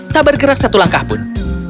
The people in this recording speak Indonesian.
tak bergerak satu langkah pun